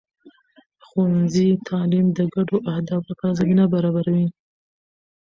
د ښوونځي تعلیم د ګډو اهدافو لپاره زمینه برابروي.